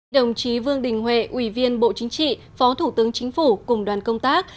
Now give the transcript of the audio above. đồng chí vương đình huệ ủy viên bộ chính trị phó thủ tướng chính phủ cùng đoàn công tác